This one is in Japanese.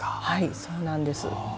はいそうなんです。